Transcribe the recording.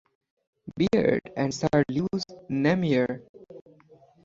Beard and Sir Lewis Namier.